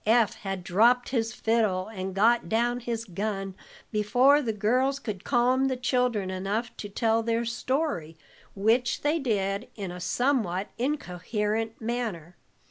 Eph had dropped his fiddle, and got down his gun before the girls could calm the children enough to tell their story, which they did in a somewhat incoherent manner.